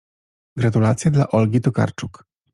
Gratulacje dla Olgi Tokarczuk.